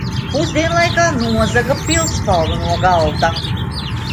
Pusdienlaikā nozaga pildspalvu no galda.